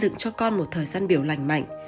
tạo dựng cho con một thời gian biểu lành mạnh